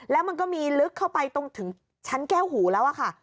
แล้วมันก็มีลึกเข้าไปตรงถึงชั้นแก้วหูแล้วอะค่ะ